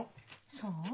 そう？